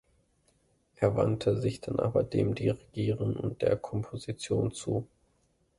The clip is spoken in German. Er wandte sich dann aber dem Dirigieren und der Komposition zu.